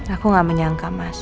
aku gak menyangka mas